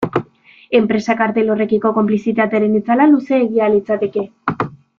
Enpresa kartel horrekiko konplizitatearen itzala luzeegia litzateke.